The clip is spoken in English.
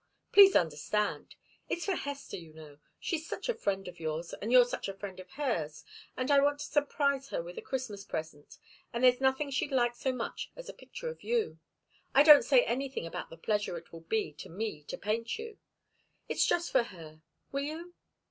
Please understand. It's for Hester, you know. She's such a friend of yours, and you're such a friend of hers, and I want to surprise her with a Christmas present, and there's nothing she'd like so much as a picture of you. I don't say anything about the pleasure it will be to me to paint you it's just for her. Will you?"